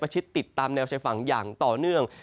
ชิดติดตามแนวชายฝั่งอย่างต่อเนื่อง